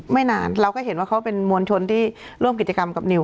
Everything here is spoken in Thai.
ไม่นานเราก็เห็นว่าเขาเป็นมวลชนที่ร่วมกิจกรรมกับนิว